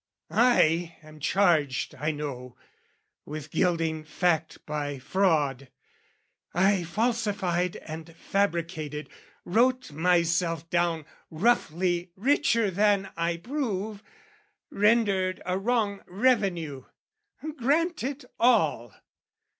I am charged, I know, with gilding fact by fraud; I falsified and fabricated, wrote Myself down roughly richer than I prove, Rendered a wrong revenue, grant it all!